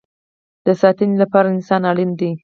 د ساتنې لپاره انسان اړین دی